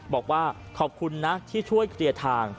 บอกว่าขอบคุณนะที่ช่วยเคลียร์ทาง